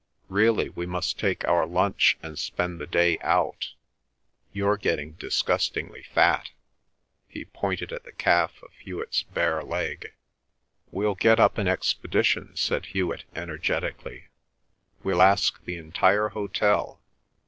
Really we must take our lunch and spend the day out. You're getting disgustingly fat." He pointed at the calf of Hewet's bare leg. "We'll get up an expedition," said Hewet energetically. "We'll ask the entire hotel.